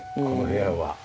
この部屋は。